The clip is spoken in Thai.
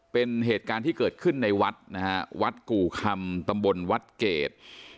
เป็นเหตุการณ์ที่เกิดขึ้นในวัดนะฮะวัดกู่คำตำบลวัดเกรด